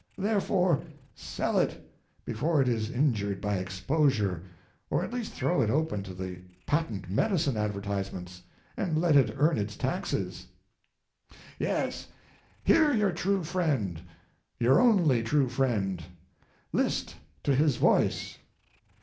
Therefore, sell it, before it is injured by exposure, or at least throw it open to the patent medicine advertisements, and let it earn its taxes: Yes, hear your true friend your only true friend—list to his voice.